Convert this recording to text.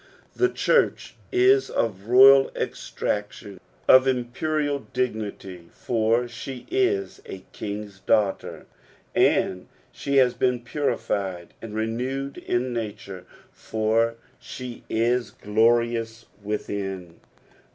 The church is of royal estmclion, of imperial dignity, fur she is a king's daughter ; and she has been purified and renewed in nature, for she is glorious within.